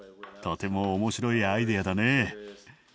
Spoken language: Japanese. とても面白いアイデアだね。